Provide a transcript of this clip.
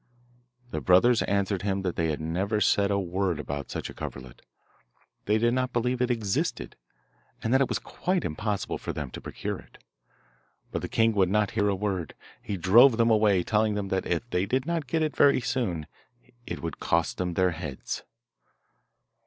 The brothers answered him that they had never said a word about such a coverlet, did not believe it existed, and that it was quite impossible for them to procure it. But the king would not hear a word; he drove them away, telling them that if they did not get it very soon it would cost them their heads.